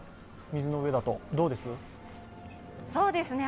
水の上だと、どうです？